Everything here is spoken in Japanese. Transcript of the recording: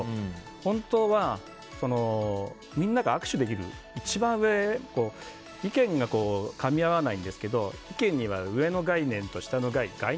本当は、みんなが握手できる一番上意見がかみ合わないんですけど意見には上の概念と下の概念。